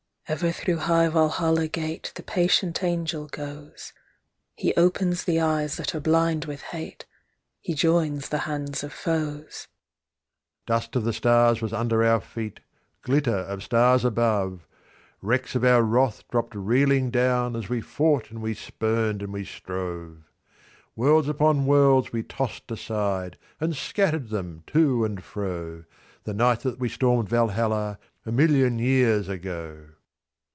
Ever through high Valhalla Gate the Patient Angel goesHe opens the eyes that are blind with hate—he joins the hands of foes. Dust of the stars was under our feet, glitter of stars above—Wrecks of our wrath dropped reeling down as we fought and we spurned and we strove. Worlds upon worlds we tossed aside, and scattered them to and fro, The night that we stormed Valhalla, a million years ago!